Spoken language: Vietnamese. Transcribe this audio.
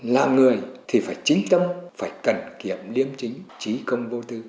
là người thì phải chính tâm phải cẩn kiệm liêm chính trí công vô tư